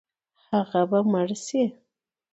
هغه به مړ شي.